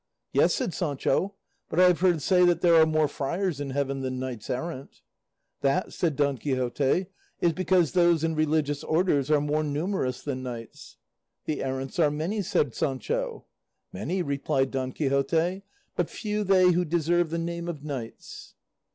"Yes," said Sancho, "but I have heard say that there are more friars in heaven than knights errant." "That," said Don Quixote, "is because those in religious orders are more numerous than knights." "The errants are many," said Sancho. "Many," replied Don Quixote, "but few they who deserve the name of knights."